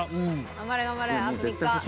頑張れ、頑張れ、あと３日。